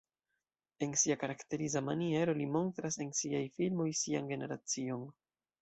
En sia karakteriza maniero li montras en siaj filmoj sian generacion.